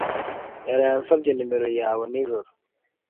yaraye ansabye nomero yawe nijoro.